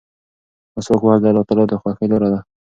مسواک وهل د الله تعالی د خوښۍ لاره ده.